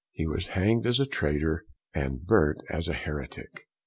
He was hanged as a Traytor, and burnt as a Heretick.